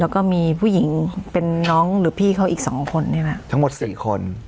แล้วก็มีผู้หญิงเป็นน้องหรือพี่เขาอีกสองคนใช่ไหมทั้งหมดสี่คน